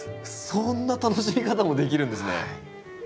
そんな楽しみ方もできるんですね。